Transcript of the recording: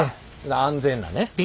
安全なね。